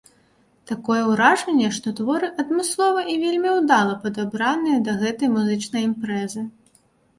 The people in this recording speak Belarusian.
Такое ўражанне, што творы адмыслова і вельмі ўдала падабраныя да гэтай музычнай імпрэзы.